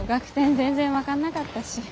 全然分かんなかったし。